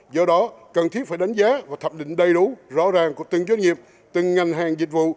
do đó cần thiết phải đánh giá và thập định đầy đủ rõ ràng của từng doanh nghiệp từng ngành hàng dịch vụ